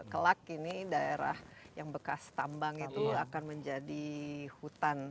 kelak ini daerah yang bekas tambang itu akan menjadi hutan